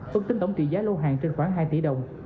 tông tính tổng trị giá lô hàng trên khoảng hai tỷ đồng